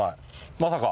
まさか。